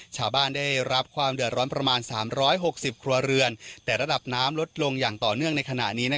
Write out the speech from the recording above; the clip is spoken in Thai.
ชาวบ้านได้รับความเดือดร้อนประมาณ๓๖๐ครัวเรือนแต่ระดับน้ำลดลงอย่างต่อเนื่องในขณะนี้